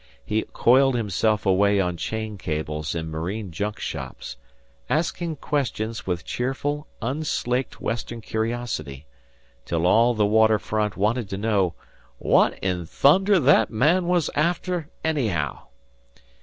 He coiled himself away on chain cables in marine junk shops, asking questions with cheerful, unslaked Western curiosity, till all the water front wanted to know "what in thunder that man was after, anyhow."